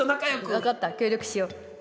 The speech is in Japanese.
分かった協力しよう。